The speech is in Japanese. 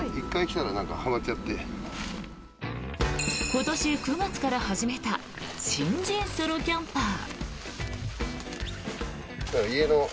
今年９月から始めた新人ソロキャンパー。